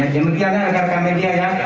demikianlah angkar kamedia ya